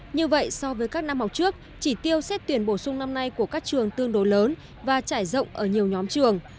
như vậy so với các năm học trước chỉ tiêu xét tuyển bổ sung năm nay của các trường tương đối lớn và trải rộng ở nhiều nhóm trường